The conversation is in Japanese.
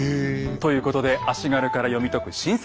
ということで足軽から読み解く新説